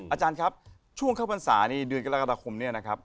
อาจารย์ครับช่วงเข้าพรรษานี่เดือนกรกฎาคมเนี่ยนะครับ